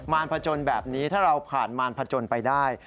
รพจนแบบนี้ถ้าเราผ่านมารพจนไปได้